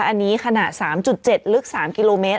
อันนี้ขนาด๓๗ลึก๓กิโลเมตร